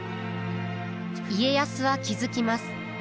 家康は気付きます。